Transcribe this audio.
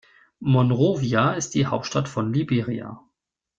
Monrovia ist die Hauptstadt von Liberia.